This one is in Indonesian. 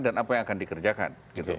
apa yang akan dikerjakan